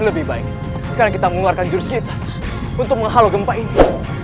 lebih baik sekarang kita mengeluarkan jurus kita untuk menghalau gempa ini